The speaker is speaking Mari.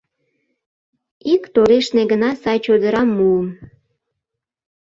Ик торешне гына сай чодырам муым.